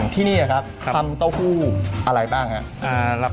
ที่นี่ครับทำเต้าหู้อะไรบ้างครับ